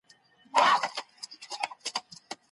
کشکي زه راتلای سوای.